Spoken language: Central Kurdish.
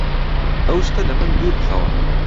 ئەو شتە لە من دوور بخەوە!